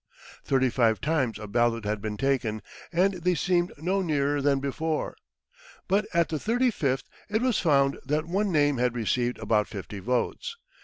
] Thirty five times a ballot had been taken, and they seemed no nearer than before. But at the thirty fifth it was found that one name had received about fifty votes.